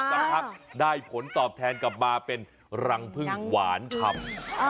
สักพักได้ผลตอบแทนกลับมาเป็นรังพึ่งหวานคำ